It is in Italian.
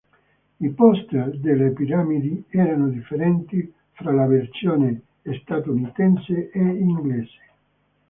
I poster delle piramidi erano differenti fra la versione statunitense e inglese.